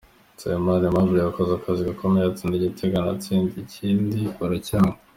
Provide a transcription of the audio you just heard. Nsabimana Aimable yakoze akazi gakomeye atsinda igitego anatsinda ikindi baracyanga.